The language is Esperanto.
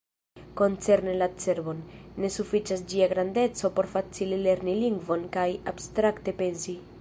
Koncerne la cerbon, ne sufiĉas ĝia grandeco por facile lerni lingvon kaj abstrakte pensi.